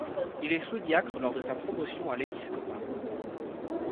Il est sous-diacre lors de sa promotion à l'épiscopat.